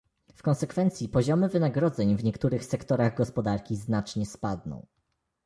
W konsekwencji poziomy wynagrodzeń w niektórych sektorach gospodarki znacznie spadną